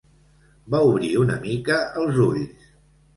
Va obrir una mica els ulls.